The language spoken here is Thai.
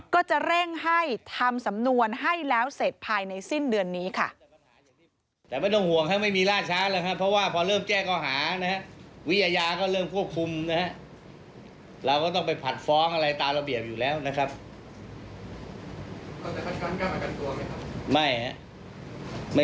ก็จะเร่งให้ทำสำนวนให้แล้วเสร็จภายในสิ้นเดือนนี้ค่ะ